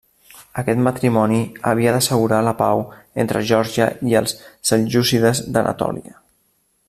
Aquest matrimoni havia d'assegurar la pau entre Geòrgia i els seljúcides d'Anatòlia.